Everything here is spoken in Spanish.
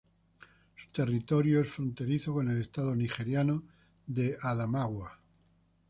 Su territorio es fronterizo con el estado nigeriano de Adamawa.